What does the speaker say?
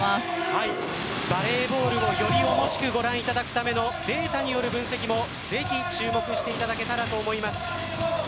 バレーボールをより面白くご覧いただくためのデータによる分析もぜひ注目していただけたらと思います。